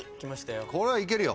これはいけるよ。